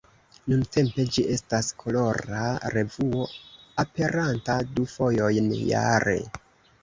Nuntempe ĝi estas kolora revuo, aperanta du fojojn jare.